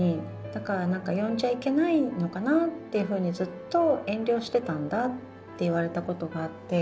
だから何か呼んじゃいけないのかなっていうふうにずっと遠慮してたんだって言われたことがあって。